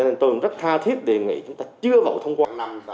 nên tôi rất tha thiết đề nghị chúng ta chưa bầu thông qua